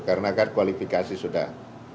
karena kan kualifikasi sudah